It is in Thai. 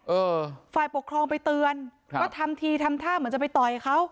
เออฝ่ายปกครองไปเตือนครับก็ทำทีทำท่าเหมือนจะไปต่อยเขา